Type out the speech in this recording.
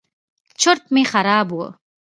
چورت مې خراب و.